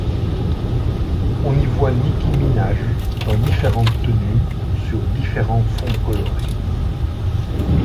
On y voit Nicki Minaj dans différentes tenues sur différents fonds colorés.